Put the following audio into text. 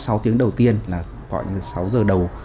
sau tiếng đầu tiên là gọi như sáu giờ đầu